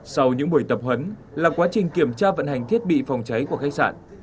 sau những buổi tập huấn là quá trình kiểm tra vận hành thiết bị phòng cháy của khách sạn